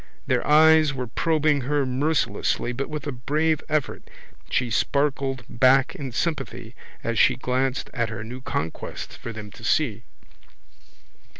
Their eyes were probing her mercilessly but with a brave effort she sparkled back in sympathy as she glanced at her new conquest for them to see.